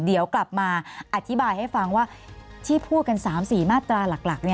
เดี๋ยวกลับมาอธิบายให้ฟังว่าที่พูดกัน๓๔มาตราหลัก